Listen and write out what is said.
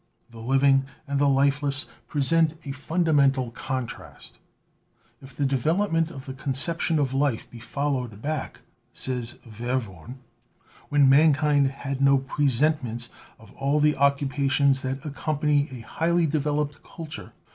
The living and the lifeless present a fundamental con trast. "If the development of the conception of life be fol lowed back," says Verworn, "when mankind had no pre sentiments of all the occupations that accompany a highly developed culture